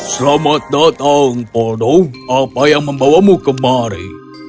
selamat datang poldo apa yang membawamu kemari